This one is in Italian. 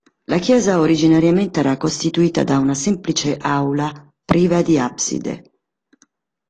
La chiesa originariamente era costituita da una semplice aula priva di abside.